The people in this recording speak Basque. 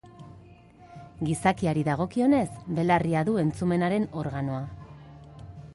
Gizakiari dagokionez, belarria du entzumenaren organoa.